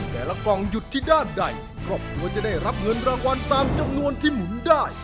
กล่องหยุดที่ด้านใดครอบครัวจะได้รับเงินรางวัลตามจำนวนที่หมุนได้